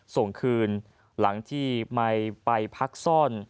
ส่งคืนหลังที่ไม่ไปพักซ่อน